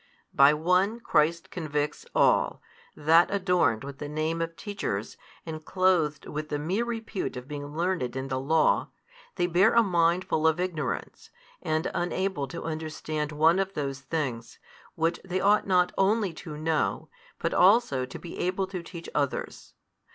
By one Christ convicts all, that adorned with the name of teachers, and clothed with the mere repute of being learned in the law, they bear a mind full of ignorance, and unable to understand one of those things, which they ought not only to know, but also to be able to teach others.